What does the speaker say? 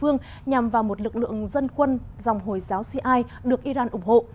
nhằm vào một lực lượng dân quân dòng hồi giáo siai được iran ủng hộ